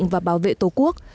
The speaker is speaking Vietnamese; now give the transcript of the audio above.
và bảo vệ tổ quốc